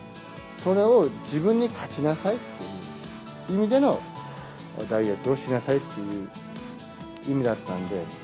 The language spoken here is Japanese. それを自分に勝ちなさいっていう意味でのダイエットをしなさいっていう意味だったんで。